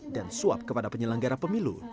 dan suap kepada penyelenggara pemilu